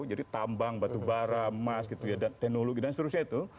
jadi tambang batu bara emas teknologi dan seterusnya itu